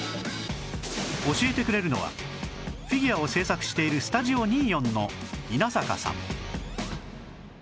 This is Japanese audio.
教えてくれるのはフィギュアを制作している ＳＴＵＤＩＯ２４ の稲坂さん